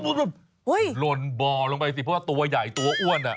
หล่นบ่อลงไปสิเพราะว่าตัวใหญ่ตัวอ้วน